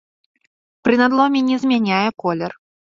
Пры надломе не змяняе колер.